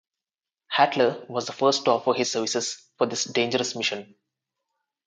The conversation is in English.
Hatler was the first to offer his services for this dangerous mission.